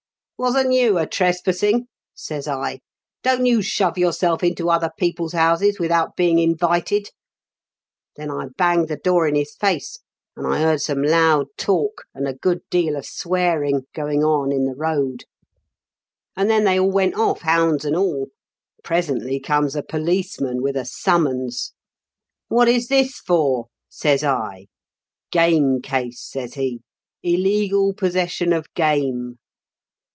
"'Wasn't you a trespassing ?' says I. * Don't you shove yourself into other people's houses without being invited.' " Then I banged the door in his face, and I heard some loud talk, and a good deal of swearing, going on in the road ; and then they all went off, hounds and all. Presently comes a policeman, with a summons. "' What is this for ?' says I. "' Game case,' says he. * Illegal possession of game.'